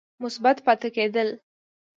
مثبت پاتې کېد ل